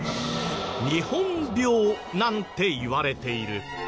日本病なんていわれている。